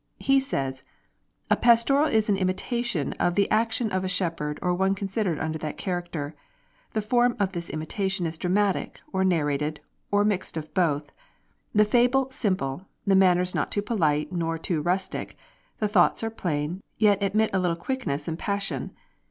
He says: "A Pastoral is an imitation of the action of a shepherd or one considered under that character. The form of this imitation is dramatic, or narrated, or mixed of both; the fable simple, the manners not too polite nor too rustic; the thoughts are plain, yet admit a little quickness and passion....